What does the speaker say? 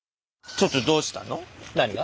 ちょっとどうしたの？何が？